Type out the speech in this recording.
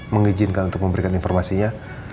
mengizinkan untuk memberikan informasinya